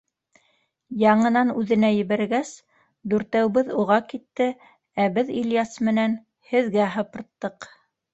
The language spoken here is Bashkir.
Яңынан үҙенә ебәргәс, дүртәүбеҙ уға китте, ә беҙ Ильяс менән һеҙгә һыпырттыҡ.